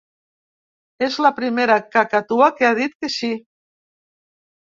És la primera cacatua que ha dit que sí.